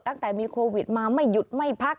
ตั้งแต่มีโควิดมาไม่หยุดไม่พัก